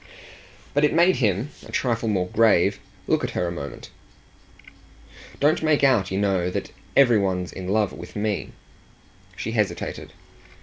But it made him a trifle more grave look at her a moment. "Don't make out, you know, that every one's in love with me." She hesitated.